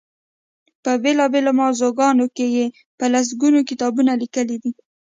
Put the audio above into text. په بېلا بېلو موضوعګانو کې یې په لس ګونو کتابونه لیکلي دي.